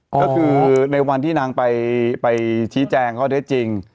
ก็คือในวันที่นางไปชี้แจงข้อเท็จจริง